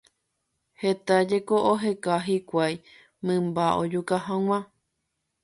Heta jeko oheka hikuái mymba ojuka hag̃ua.